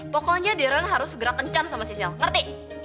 pokoknya darren harus segera kencan sama sisil ngerti